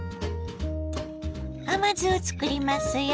甘酢を作りますよ。